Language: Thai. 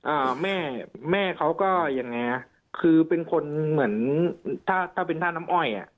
อ่าแม่แม่เขาก็ยังไงฮะคือเป็นคนเหมือนถ้าถ้าเป็นท่าน้ำอ้อยอ่ะ